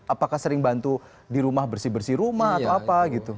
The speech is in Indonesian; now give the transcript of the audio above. apakah sering bantu di rumah bersih bersih rumah atau apa gitu